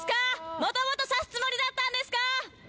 もともと刺すつもりだったんですか。